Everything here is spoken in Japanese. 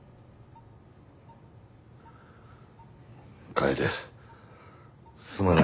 楓すまない。